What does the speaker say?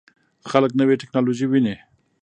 خلک نوې ټکنالوژي ویني.